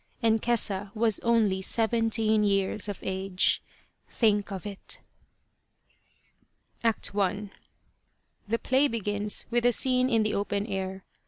And Kesa was only seventeen years of age. Think of it! ACT I. The play begins with a scene in the open air.